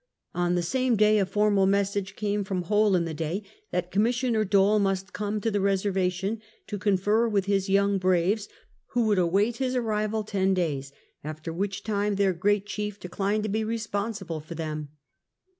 On the same day a formal message came from Hole in the day that Commissioner Dole must come to the reservation to confer with his j^oung braves, who would await his arrival ten days, after which time their great chief declined to be responsible for them.